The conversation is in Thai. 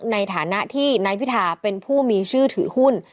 ในฐานะที่นายพิธาเป็นผู้มีชื่อถือหุ้น